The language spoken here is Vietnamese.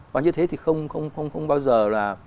và như thế thì không bao giờ là